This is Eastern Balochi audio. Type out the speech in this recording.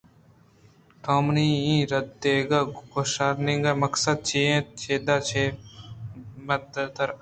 تئی منی رد دیئگءُ کوشارینگ ءِ مقصدچی اَت؟ چداں چہ پدترّ